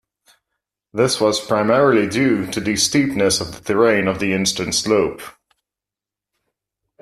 This was primarily due to the steepness of the terrain on the eastern slope.